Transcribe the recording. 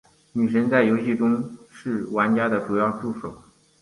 女神在游戏中是玩家的重要助手。